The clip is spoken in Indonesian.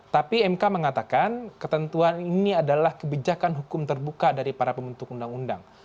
tapi mk mengatakan ketentuan ini adalah kebijakan hukum terbuka dari para pembentuk undang undang